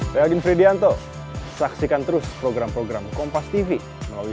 lagi fridianto saksikan terus program program kompas tv melalui